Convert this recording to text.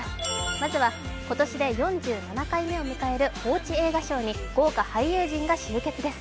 まずは、今年で４７回目を迎える報知映画賞に豪華俳優陣が集結です。